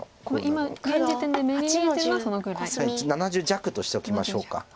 ７０弱としておきましょうか。